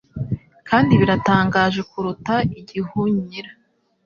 Kandi biratangaje kuruta igihunyira